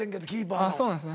ああそうなんですね。